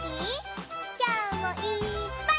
きょうもいっぱい。